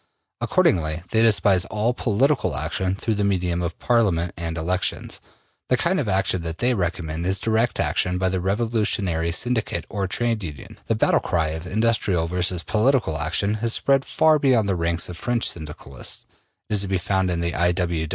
Accordingly they despise all POLITICAL action through the medium of Parliament and elections: the kind of action that they recommend is direct action by the revolutionary syndicate or trade union. The battle cry of industrial versus political action has spread far beyond the ranks of French Syndicalism. It is to be found in the I.